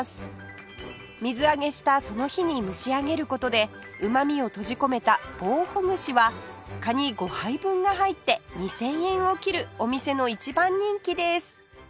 水揚げしたその日に蒸しあげる事でうまみを閉じ込めた棒ほぐしはカニ５杯分が入って２０００円を切るお店の一番人気です